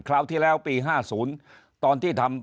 คราวที่แล้วปี๕๐ตอนที่ทำ